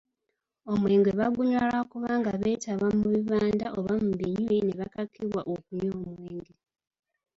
Omwenge bagunywa lwa kubanga beetaba mu bibanda oba ebinywi ne bakakibwa okunywa omwenge.